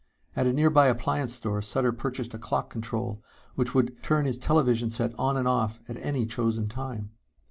At a nearby appliance store Sutter purchased a clock control which would turn his television set on and off at any chosen time.